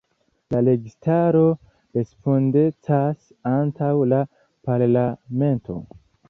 La registaro respondecas antaŭ la parlamento.